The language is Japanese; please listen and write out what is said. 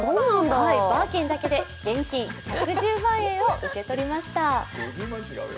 バーキンだけで現金１１０万円を受け取りました。